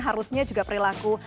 harusnya juga perilaku